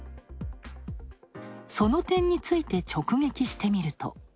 その点について、直撃してみると。